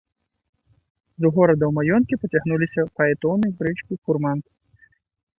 З горада ў маёнткі пацягнуліся фаэтоны, брычкі, фурманкі.